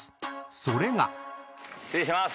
［それが］失礼します。